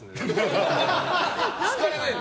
好かれないんだ。